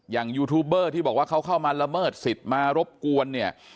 ยูทูบเบอร์ที่บอกว่าเขาเข้ามาละเมิดสิทธิ์มารบกวนเนี่ย